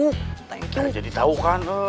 udah jadi tau kan